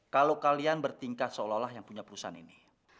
kalau kalian bertingkat seolah olah yang punya perusahaan ini